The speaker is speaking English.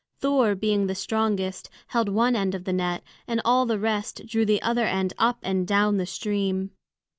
Thor, being the strongest, held one end of the net, and all the rest drew the other end up and down the stream.